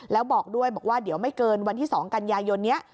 แล้วบอกด้วยบอกว่าเดี๋ยวไม่เกินวันที่๒กันยายนนี้